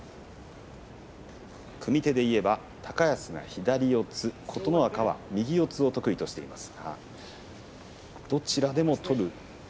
組み手でいえば、高安が左四つ琴ノ若は右四つを得意としています。